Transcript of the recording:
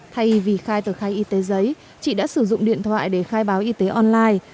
thay vì khai tờ khai y tế giấy chị đã sử dụng điện thoại để khai báo y tế online